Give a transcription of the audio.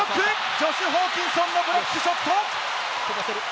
ジョシュ・ホーキンソンのブロックショット。